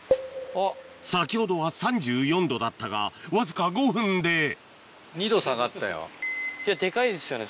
先ほどは３４℃だったがわずか５分でデカいですよね